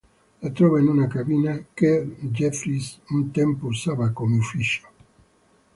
La trova in una cabina che Jeffries un tempo usava come ufficio.